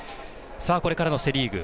これからのセ・リーグ。